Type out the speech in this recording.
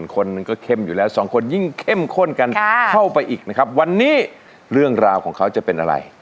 คนหนึ่งก็เข้มอยู่แล้วสองคนยิ่งเข้มข้นกันเข้าไปอีกนะครับวันนี้เรื่องราวของเขาจะเป็นอะไร